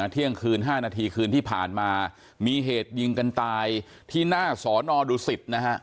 ที่ที่ผ่านมามีเหตุยิงกันตายที่หน้าสอนอดุศิษฐ์นะฮะ